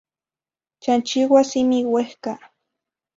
Chanchiua simi uehca